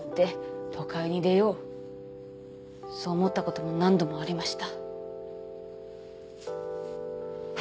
そう思ったことも何度もありました。